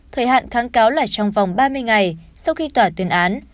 thời hạn kháng cáo là trong vòng ba mươi ngày sau khi tòa tuyên án